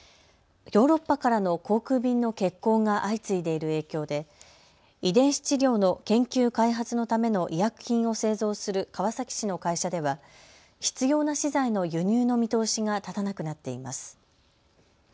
ヨーロッパからの航空便の欠航が相次いでいる影響で遺伝子治療の研究・開発のための医薬品を製造する川崎市の会社では必要な資材の輸入の見通しが立たなくなっています。